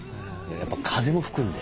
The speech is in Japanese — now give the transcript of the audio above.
やっぱ風も吹くんで。